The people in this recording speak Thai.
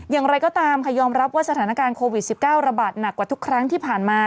อย่างไรก็ตามค่ะยอมรับว่าสถานการณ์โควิด๑๙ระบาดหนักกว่าทุกครั้งที่ผ่านมา